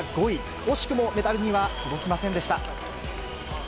惜しくもメダルには届きませんでした。